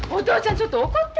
ちょっと怒って！